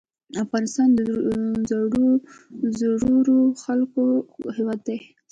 افغانستان د زړورو خلکو هیواد دی